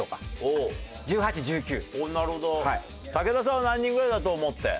武田さんは何人ぐらいだと思って？